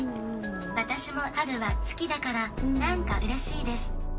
私も春は好きだから、なんかうれしいです。